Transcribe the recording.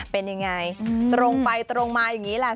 เป็นยังไงตรงไปตรงมาอย่างนี้แหละ